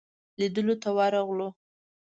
لیدلو ته ورغلو.